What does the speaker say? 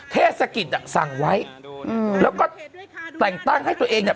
เทศกิจอ่ะสั่งไว้อืมแล้วก็แต่งตั้งให้ตัวเองเนี่ย